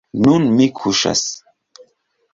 Nun mi akuŝas.